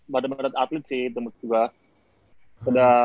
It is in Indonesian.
badem badem atlet sih